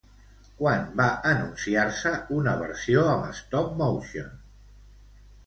Quan va anunciar-se'n una versió amb stop-motion?